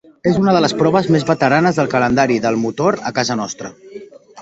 És una de les proves més veteranes del calendari del motor a casa nostra.